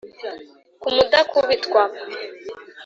ku mudakubitwa